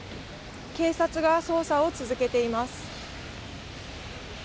警察が捜査を続けています。